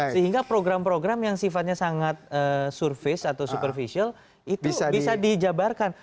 sehingga program program yang sifatnya sangat surface atau superficial itu bisa dijabarkan